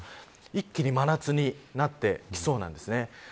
一気に真夏になってきそうなんです。